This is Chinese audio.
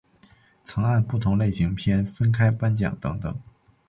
曾按不同类型片分开颁奖等等。